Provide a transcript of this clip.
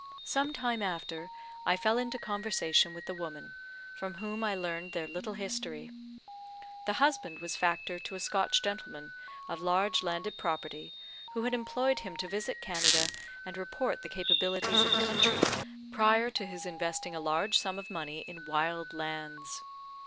Some time after, I fell into conversation with the woman, from whom I learned their little history. The husband was factor to a Scotch gentleman, of large landed property, who had employed him to visit Canada, and report the capabilities of the country, prior to his investing a large sum of money in wild lands.